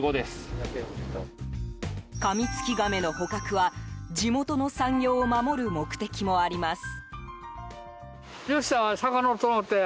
カミツキガメの捕獲は地元の産業を守る目的もあります。